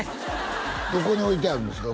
どこに置いてあるんですか？